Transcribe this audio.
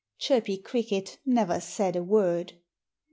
Chirpy Cricket never said a word.